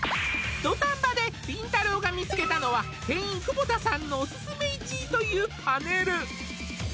土壇場でりんたろー。が見つけたのは店員久保田さんのおすすめ１位というパネル